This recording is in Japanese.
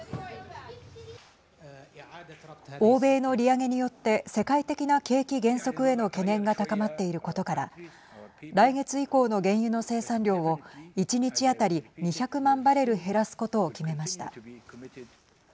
欧米の利上げによって世界的な景気減速への懸念が高まっていることから来月以降の原油の生産量を１日当たり２００万バレル減らすことを決めました。